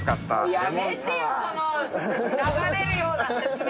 やめてよその流れるような説明。